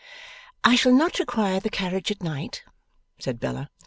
'I shall not require the carriage at night,' said Bella.